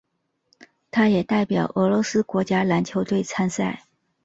他也代表俄罗斯国家篮球队参赛。